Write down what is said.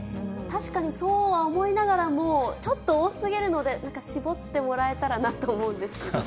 確かにそうは思いながらも、ちょっと多すぎるので、なんか絞ってもらえたらなと思うんですけれども。